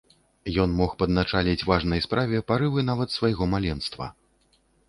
Ён мог падначаліць важнай справе парывы нават свайго маленства.